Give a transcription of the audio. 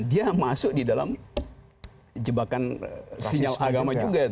dia masuk di dalam jebakan sinyal agama juga